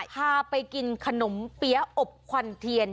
พาไปกินขนมเปี๊ยะอบควันเทียน